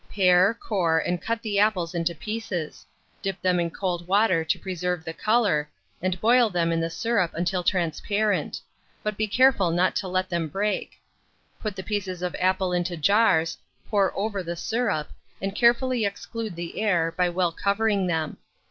Pare, core, and cut the apples into pieces; dip them in cold water to preserve the colour, and boil them in the syrup until transparent; but be careful not to let them break. Put the pieces of apple into jars, pour over the syrup, and carefully exclude the air, by well covering them.